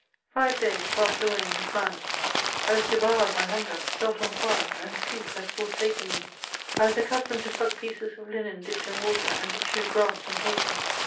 Five days passed away in this manner. I was devoured by hunger, — ^felt on fir^ — and deep had fersaken me; I was accustomed to suck pieces ol Knen dipped in wafeer, and to chew grass and paper.